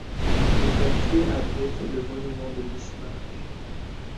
Le quartier abrite le Monument de Bismarck.